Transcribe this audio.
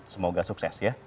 semoga sukses ya